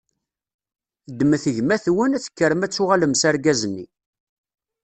Ddmet gma-twen, tekkrem ad tuɣalem s argaz-nni.